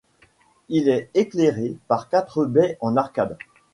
Il est éclairé par quatre baies en arcade.